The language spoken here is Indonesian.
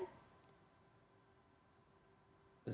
saya kira butuh perhatian